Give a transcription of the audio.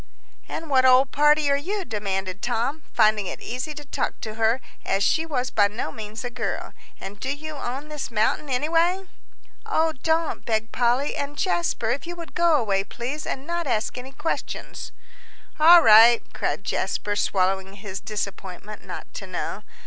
"And what old party are you?" demanded Tom, finding it easy to talk to her, as she was by no means a girl. "And do you own this mountain, anyway?" "Oh, don't," begged Polly. "And Jasper, if you would go away, please, and not ask any questions." "All right," said Jasper, swallowing his disappointment not to know.